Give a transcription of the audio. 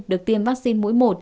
được tiêm vaccine mũi một